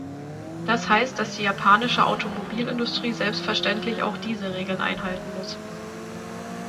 Das heißt, dass die japanische Automobilindustrie selbstverständlich auch diese Regeln einhalten muss.